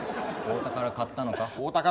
大田から買ったのか？